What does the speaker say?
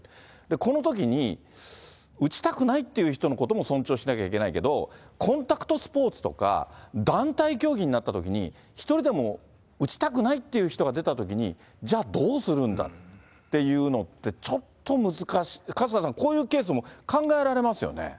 このときに、打ちたくないって人のことも尊重しなければいけないけど、コンタクトスポーツとか、団体競技になったときに、一人でも撃ちたくないって人が出たときに、じゃあどうするんだっていうのって、ちょっと難しい、春日さん、こういうケースも考えられますよね。